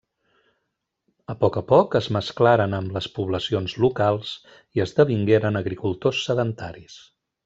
A poc a poc, es mesclaren amb les poblacions locals i esdevingueren agricultors sedentaris.